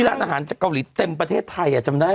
ที่ร้านอาหารเกาหลีเต็มประเทศไทยจำได้ไหม